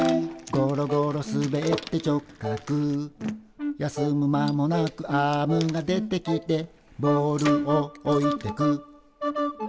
「ごろごろすべって直角」「休む間もなくアームが出てきて」「ボールをおいてく」